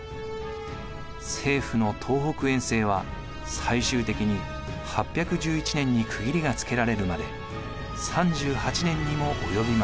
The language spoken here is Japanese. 政府の東北遠征は最終的に８１１年に区切りがつけられるまで３８年にも及びました。